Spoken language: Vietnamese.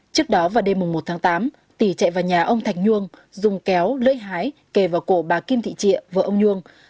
trước đó vào đêm một tháng tám tỉ chạy vào nhà ông thạch nhuông dùng kéo lưỡi hái kề vào cổ bà kim thị trịa vợ ông nhuông